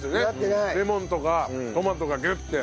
レモンとかトマトがギュッて。